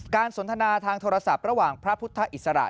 สนทนาทางโทรศัพท์ระหว่างพระพุทธอิสระ